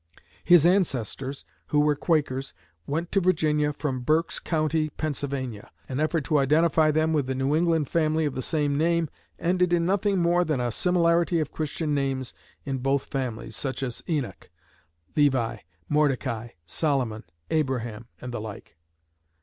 His ancestors, who were Quakers, went to Virginia from Berks County, Pennsylvania. An effort to identify them with the New England family of the same name, ended in nothing more than a similarity of Christian names in both families, such as Enoch, Levi, Mordecai, Solomon, Abraham, and the like.